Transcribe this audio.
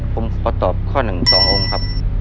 ผมขอตอบข้อหนึ่งสององค์ครับ